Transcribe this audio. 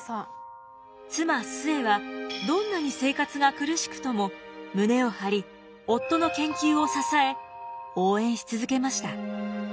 妻壽衛はどんなに生活が苦しくとも胸を張り夫の研究を支え応援し続けました。